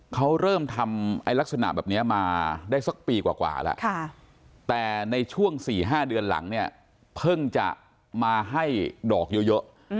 เขาเริ่มทำลักษณะแบบนี้มาได้สักปีกว่าแล้วแต่ในช่วง๔๕เดือนหลังเนี่ยเพิ่งจะมาให้ดอกเยอะ